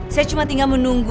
saya cuma tinggal menunggu